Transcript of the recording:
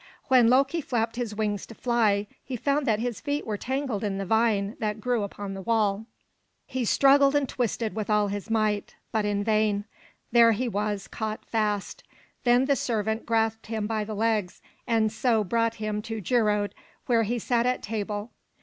When Loki flapped his wings to fly, he found that his feet were tangled in the vine that grew upon the wall. He struggled and twisted with all his might, but in vain. There he was, caught fast. Then the servant grasped him by the legs, and so brought him to Geirröd, where he sat at table.